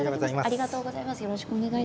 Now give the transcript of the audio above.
ありがとうございます。